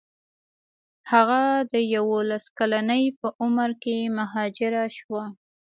هغه د یوولس کلنۍ په عمر کې مهاجره شوه.